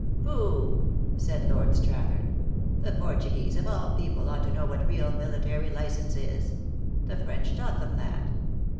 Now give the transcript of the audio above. "Pooh." said Lord Strathern, "the Portuguese, of all people, ought to know what real military license is. The French taught them that.